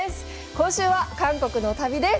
今週は韓国の旅です。